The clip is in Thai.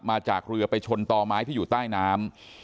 มาจากเรือไปชนต่อไม้ที่อยู่ใต้น้ำ